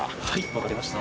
分かりました。